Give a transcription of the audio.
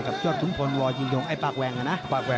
ใส่กับจอดทุนพลวจิงโยงไอ้ปากแวงนะนะ